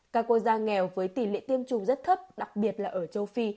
các quốc gia nghèo với tỷ lệ tiêm chủng rất thấp đặc biệt là ở châu phi